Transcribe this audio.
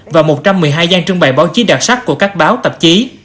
và một trăm một mươi hai gian trưng bày báo chí đặc sắc của các báo tạp chí